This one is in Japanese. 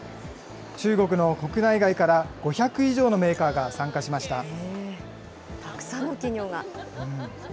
中国の国内外から５００以上のメたくさんの企業が。